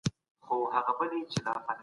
عدالت له ظلم څخه ډېر مهم دی.